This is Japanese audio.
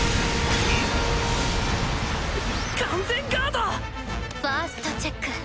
完全ガード！ファーストチェック。